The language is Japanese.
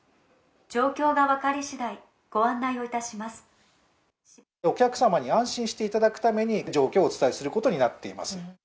状況が分かりしだい、お客様に安心していただくために、状況をお伝えすることになっています。